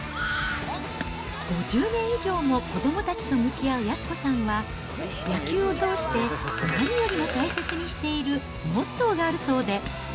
５０年以上も子どもたちと向き合う安子さんは、野球を通して何よりも大切にしているモットーがあるそうで。